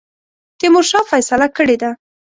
تیمورشاه فیصله کړې ده.